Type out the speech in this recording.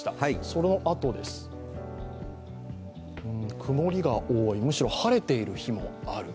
そのあとです、曇りが多い、むしろ晴れている日もある。